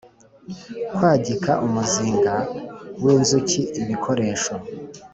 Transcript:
kwagika umuzinga w inzuki ibikoresho